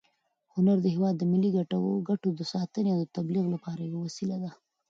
هنر د هېواد د ملي ګټو د ساتنې او تبلیغ لپاره یوه وسیله ده.